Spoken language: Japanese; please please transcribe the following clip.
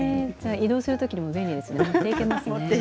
移動するときも便利ですね。